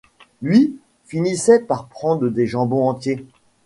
Lui, finissait par prendre des jambons entiers.